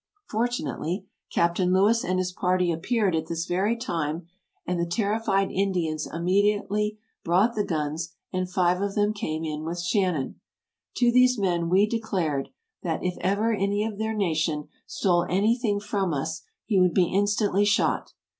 Fortu nately, Captain Lewis and his party appeared at this very time, and the terrified Indians immediately brought the guns, and five of them came in with Shannon. To these men we declared that, if ever any of their nation stole any thing from us, he would be instantly shot.